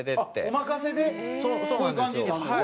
おまかせでこういう感じになるのか。